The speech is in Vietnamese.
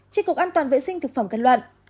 tri cục an toàn vệ sinh thực phẩm kết luận